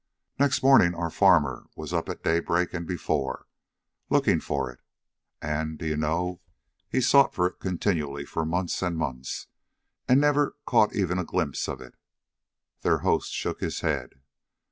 Next morning our farmer was up at daybreak, and before, looking for it. And, do you know, he sought for it continually, for months and months, and never caught even a glimpse of it." Their host shook his head.